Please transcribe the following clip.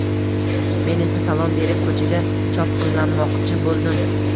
Men esa salom berib, ko`chaga chopqillamoqchi bo`ldim